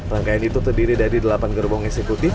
rangkaian itu terdiri dari delapan gerbong eksekutif